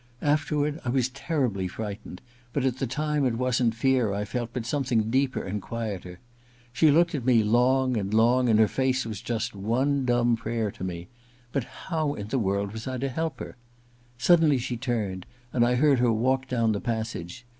Afterward I was terribly frightened, but at the time it wasn't fear I felt, but some thing deeper and quieter. She looked at me long and long, and her face was just one dumb prayer to me — ^but how in the world was I to help her? Suddenly she turned, and I heard her walk down the passage.